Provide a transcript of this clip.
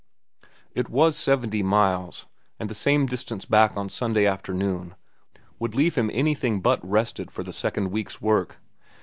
It was seventy miles, and the same distance back on Sunday afternoon would leave him anything but rested for the second week's work.